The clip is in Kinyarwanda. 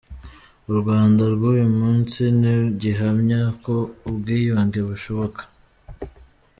U Rwanda rw’uyu munsi ni gihamya ko ubwiyunge bushoboka.